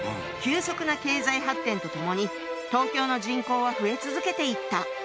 急速な経済発展とともに東京の人口は増え続けていった。